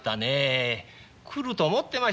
来ると思ってましたね。